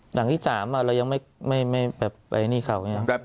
หลังที่สามอ่ะเรายังไม่ไม่ไม่แบบไอ้นี่เขาอย่างเงี้ย